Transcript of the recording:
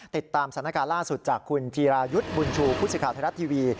ติดตามสถานการณ์ล่าสุดจากคุณจีรายุทธ์บุญชูพุทธศิษยาธรรมดาทีวี